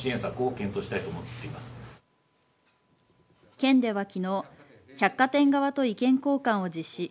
県ではきのう百貨店側と意見交換を実施。